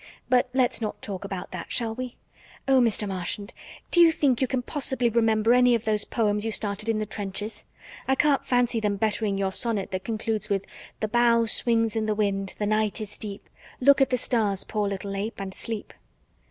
But let's not talk about that, shall we? Oh, Mr. Marchant, do you think you can possibly remember any of those poems you started in the trenches? I can't fancy them bettering your sonnet that concludes with, 'The bough swings in the wind, the night is deep; Look at the stars, poor little ape, and sleep.'"